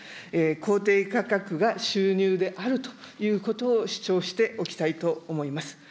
公定価格が収入であるということを主張しておきたいと思います。